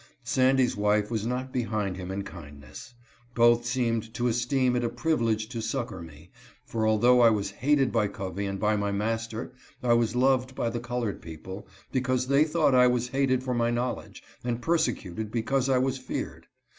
Sandy's wife was not behind him in kindness ; both seemed to esteem it a privilege to succor me, for although I was hated by Covey and by my master I was loved by the colored people, because they thought I was hated for my knowledge, and persecuted because I was feared.